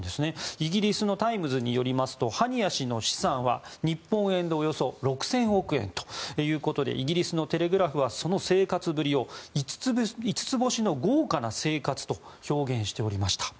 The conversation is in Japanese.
イギリスのタイムズによりますとハニヤ氏の資産は日本円でおよそ６０００億円ということでイギリスのテレグラフはその生活ぶりを５つ星の豪華な生活と表現しておりました。